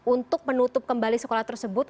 untuk menutup kembali sekolah tersebut